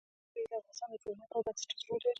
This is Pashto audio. وګړي د افغانستان د ټولنې لپاره بنسټيز رول لري.